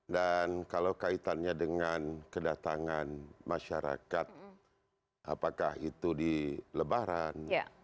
dan kalau kaitannya dengan kedatangan masyarakat apakah itu di lebaran